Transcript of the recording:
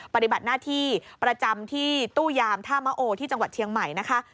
ปฏิบัติหน้าที่ประจำที่ตู้ยามท่ามะโอที่จังหวัดเชียงใหม่นะคะ